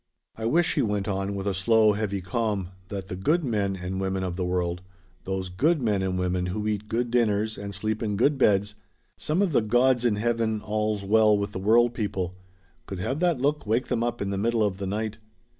"I wish," he went on, with a slow, heavy calm, "that the 'good' men and women of the world those 'good' men and women who eat good dinners and sleep in good beds some of the 'God's in heaven all's well with the world' people could have that look wake them up in the middle of the night.